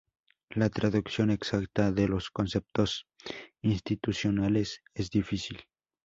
La traducción exacta de los conceptos institucionales es difícil.